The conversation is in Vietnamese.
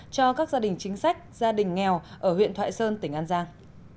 cho các gia đình chính sách gia đình nghèo ở huyện thoại sơn tỉnh an giang